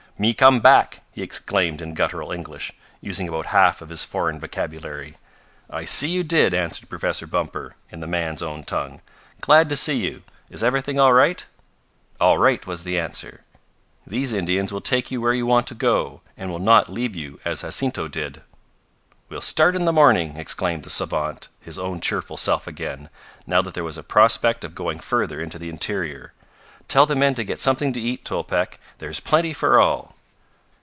"Me come back!" he exclaimed in gutteral English, using about half of his foreign vocabulary. "I see you did," answered Professor Bumper in the man's own tongue. "Glad to see you. Is everything all right?" "All right," was the answer. "These Indians will take you where you want to go, and will not leave you as Jacinto did." "We'll start in the morning!" exclaimed the savant his own cheerful self again, now that there was a prospect of going further into the interior. "Tell the men to get something to eat, Tolpec. There is plenty for all."